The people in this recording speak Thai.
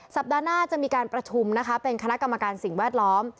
สัปดาห์หน้าจะมีการประชุมนะคะเป็นคณะกรรมการสิ่งแวดล้อม